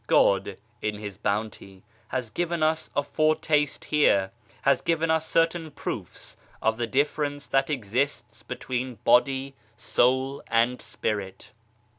God, in His Bounty, has given us a foretaste here, has given us certain proofs of the difference that exists between body, soul and spirit.